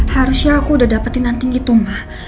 harusnya aku udah dapetin anting itu ma